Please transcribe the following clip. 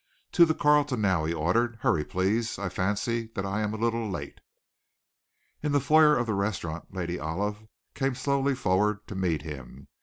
"To the Carlton now," he ordered. "Hurry, please. I fancy that I am a little late." In the foyer of the restaurant, Lady Olive came slowly forward to meet him.